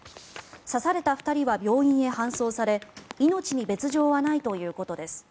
刺された２人は病院へ搬送され命に別条はないということです。